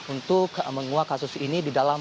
untuk menguak kasus ini di dalam